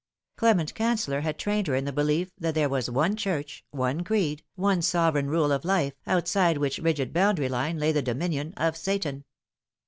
Clement Cancellor had trained her in the belief that there was one Church, one creed, one sovereign rule of life, outside which rigid boundary line lay the dominion of Satan.